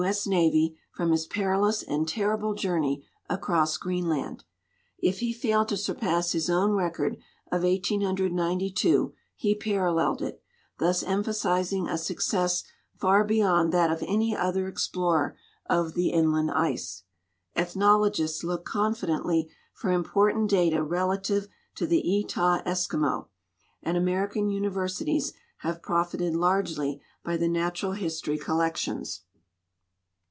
S. Navy, from his perilous and terrible journey across Greenland. If he failed to surpass his own record of 18i)2 he paralleled it, thus emphasizing a success far beyond that of any other explorer of the inland ice. Ethnologists look contidently for impor tant data relative to the Etah Eskimo, and American universities have profited largely by the natural history collections.